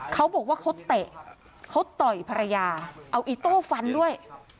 เขาบอกว่าเขาเตะเขาต่อยภรรยาเอาอิโต้ฟันด้วย